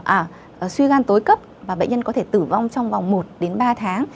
ở suy gan tối cấp và bệnh nhân có thể tử vong trong vòng một đến ba tháng